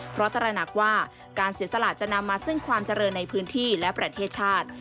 เพราะตระหนักว่าการเสียสละจะนำมาซึ่งความเจริญในพื้นที่และประเทศชาติ